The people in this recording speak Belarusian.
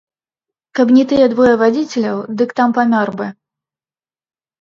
Каб не тыя двое вадзіцеляў, дык там памёр бы.